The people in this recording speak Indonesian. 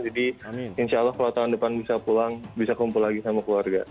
jadi insya allah kalau tahun depan bisa pulang bisa kumpul lagi sama keluarga